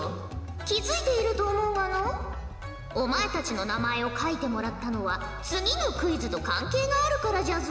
気付いていると思うがのうお前たちの名前を書いてもらったのは次のクイズと関係があるからじゃぞ。